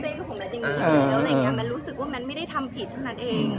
แล้วอะไรอย่างเงี้ยแม้ตรู้สึกว่าแม้ตไม่ได้ทำผิดเท่านั้นเอง